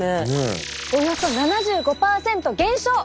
およそ７５％減少！